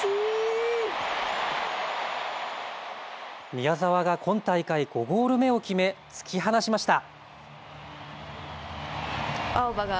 宮澤が今大会５ゴール目を決め突き放しました。